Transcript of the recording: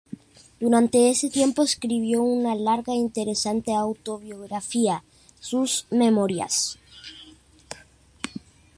Durante ese tiempo escribió una larga e interesante autobiografía, sus "Memorias".